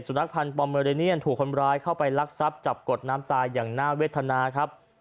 สุนัขพันธ์ถูกคนร้ายเข้าไปรักทรัพย์จับกดน้ำตายอย่างน่าเวทนาครับ